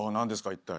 一体。